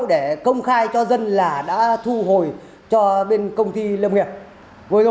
để công khai cho dân là đã thu hồi cho bên công ty lâm nghiệp